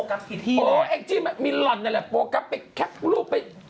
อ้อไอจี้มันมีหล่อนเงี่ยแหละโปรกับไปแคบทุกรูป